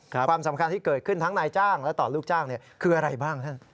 ความสำคัญที่เกิดขึ้นทั้งนายจ้างและต่อลูกจ้างคืออะไรบ้างท่าน